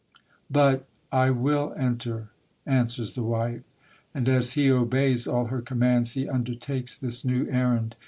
" But — I will enter —" answers the wife ; and as he obeys all her commands, he undertakes this new errand.